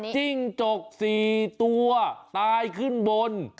จิ้งจก๔ตัวตายขึ้นบน